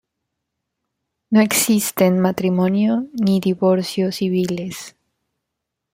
No existen matrimonio ni divorcio civiles.